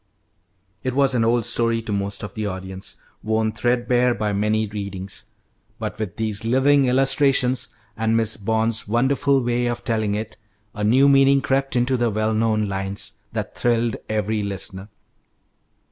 It was an old story to most of the audience, worn threadbare by many readings, but with these living illustrations, and Miss Bond's wonderful way of telling it, a new meaning crept into the well known lines, that thrilled every listener.